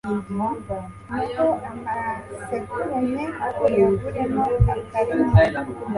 naho amasekurume uyaguremo akarima